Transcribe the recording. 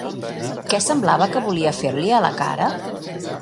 Què semblava que volia fer-li a la cara?